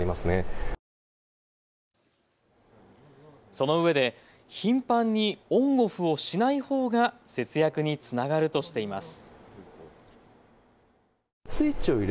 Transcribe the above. そのうえで頻繁にオン・オフをしないほうが節約につながるとしています。